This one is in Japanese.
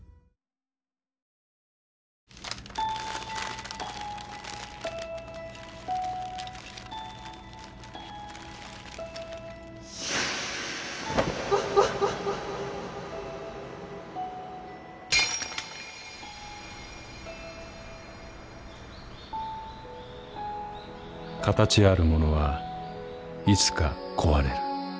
形あるものはいつか壊れる。